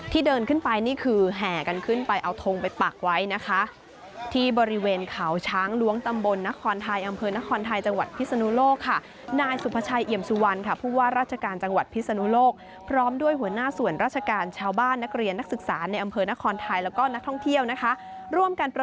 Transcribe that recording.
เดินขึ้นไปนี่คือแห่กันขึ้นไปเอาทงไปปักไว้นะคะที่บริเวณเขาช้างล้วงตำบลนครไทยอำเภอนครไทยจังหวัดพิศนุโลกค่ะนายสุภาชัยเอี่ยมสุวรรณค่ะผู้ว่าราชการจังหวัดพิศนุโลกพร้อมด้วยหัวหน้าส่วนราชการชาวบ้านนักเรียนนักศึกษาในอำเภอนครไทยแล้วก็นักท่องเที่ยวนะคะร่วมกันประ